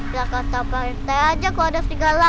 biar kata pak rilta aja kalau ada serigala